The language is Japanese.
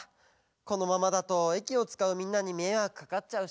このままだと駅をつかうみんなにめいわくかかっちゃうし。